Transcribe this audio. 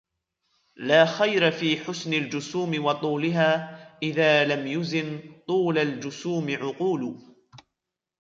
لا خير في حسن الجسوم وطولها إذا لم يزن طول الجسوم عقول.